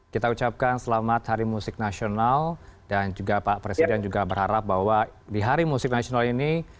kita ucapkan selamat hari musik nasional dan juga pak presiden juga berharap bahwa di hari musik nasional ini